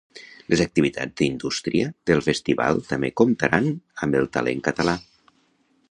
Les activitats d’indústria del festival també comptaran amb el talent català.